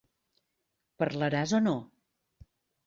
Parlaràs o no?